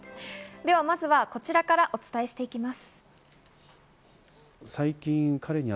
まずはこちらからお伝えしていきます。